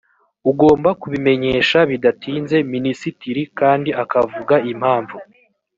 ugomba kubimenyesha bidatinze minisitiri kandi akavuga impamvu